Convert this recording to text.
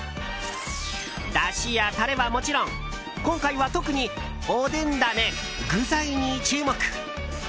だしやタレはもちろん今回は特におでんダネ、具材に注目。